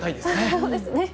そうですね。